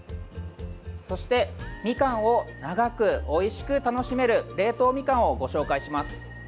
そして、みかんを長くおいしく楽しめる冷凍みかんをご紹介します。